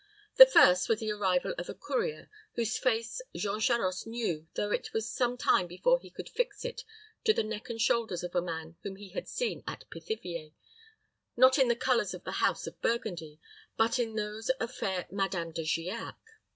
The first was the arrival of a courier, whose face Jean Charost knew, though it was some time before he could fix it to the neck and shoulders of a man whom he had seen at Pithiviers, not in the colors of the house of Burgundy, but in those of fair Madame de Giac.